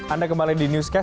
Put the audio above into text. anda kembali di newscast